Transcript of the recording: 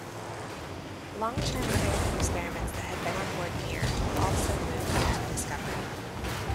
Long-term American experiments that had been on board "Mir" were also moved into "Discovery".